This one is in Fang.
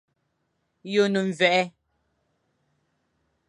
Ye o ne mwague.